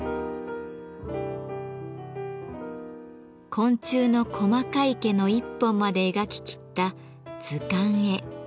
昆虫の細かい毛の一本まで描ききった図鑑絵。